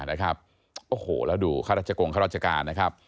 แล้วดูรัชกลงข้าราชการ